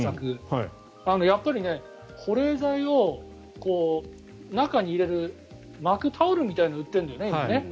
やっぱり保冷剤を中に入れる巻くタオルみたいなのが売っているんだよね。